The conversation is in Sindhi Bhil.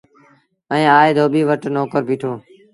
ائيٚݩ آئي ڌوٻيٚ وٽ نوڪر بيٚٺو۔